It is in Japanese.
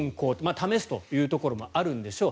試すというところもあるんでしょう。